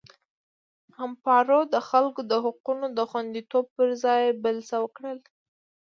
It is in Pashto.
امپارو د خلکو د حقونو د خوندیتوب پر ځای بل څه وکړل.